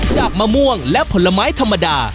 มะม่วงและผลไม้ธรรมดา